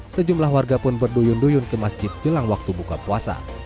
sejumlah warga pun berduyun duyun ke masjid jelang waktu buka puasa